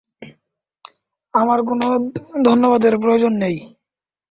আমার কোনো ধন্যবাদের প্রয়োজন নেই।